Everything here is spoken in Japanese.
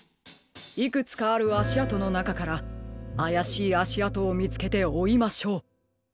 いくつかあるあしあとのなかからあやしいあしあとをみつけておいましょう。